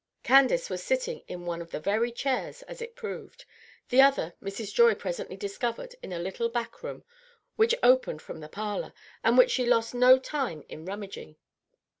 Candace was sitting in one of the very chairs, as it proved; the other Mrs. Joy presently discovered in a little back room which opened from the parlor, and which she lost no time in rummaging.